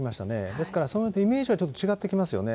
ですからそうなるとイメージはちょっと違ってきますよね。